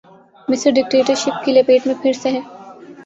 مصر ڈکٹیٹرشپ کی لپیٹ میں پھر سے ہے۔